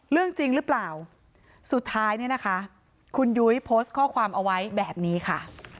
เรื่องจริงหรือเปล่าสุดท้ายเนี่ยนะคะคุณยุ้ยโพสต์ข้อความเอาไว้แบบนี้ค่ะ